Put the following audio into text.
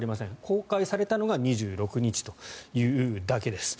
公開されたのが２６日というだけです。